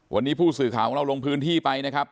วันนี้ผู้สื่อข่าวของเราลงพื้นที่ไปนะครับ